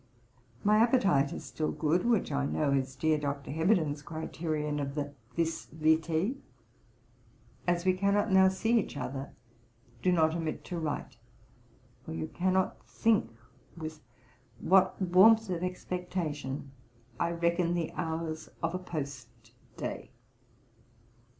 My appetite is still good, which I know is dear Dr. Heberden's criterion of the vis vitoe. As we cannot now see each other, do not omit to write, for you cannot think with what warmth of expectation I reckon the hours of a post day.'